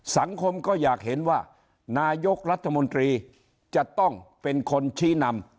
สังคมก็อยากเห็นว่านายกรัฐมนตรีจะต้องเป็นคนชี้นำ